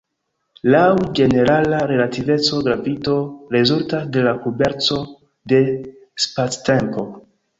Laŭ ĝenerala relativeco, gravito rezultas de la kurbeco de spactempo.